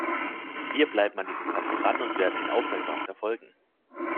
Wir bleiben an diesem Fall dran und werden ihn aufmerksam verfolgen.